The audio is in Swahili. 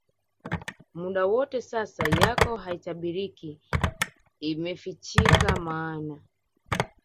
muda wote sasa yako haitabiriki Imefichika maana